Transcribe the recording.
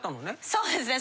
そうですね